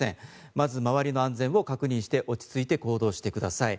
まず周りの安全を確認して落ち着いて行動してください。